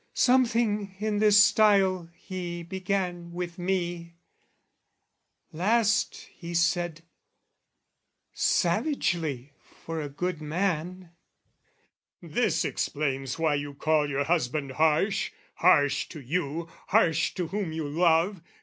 Something in this style he began with me. Last he said, savagely for a good man, "This explains why you call your husband harsh, "Harsh to you, harsh to whom you love.